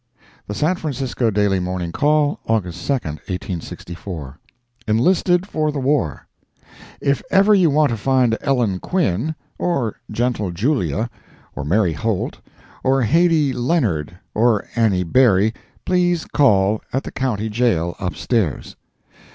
The San Francisco Daily Morning Call, August 2, 1864 ENLISTED FOR THE WAR If ever you want to find Ellen Quinn, or Gentle Julia, or Mary Holt, or Haidee Leonard, or Annie Berry, please call at the County Jail, upstairs.